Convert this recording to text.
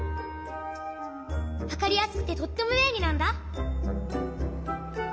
わかりやすくてとってもべんりなんだ。